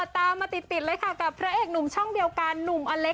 ตามมาติดติดเลยค่ะกับเธอนุ่มช่องเดียวกัน